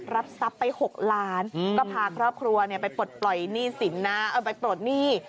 รับทรัพย์ไป๖ล้านก็พาครอบครัวไปปลดหนี้